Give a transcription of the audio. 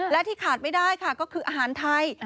และที่ขาดไม่ได้ค่ะก็คืออาหารไทย